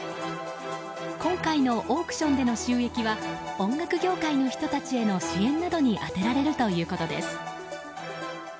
今回のオークションでの収益は音楽業界の人たちへの支援などに充てられるということです。